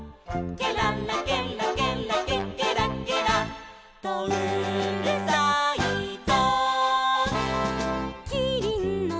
「ケララケラケラケケラケラとうるさいぞ」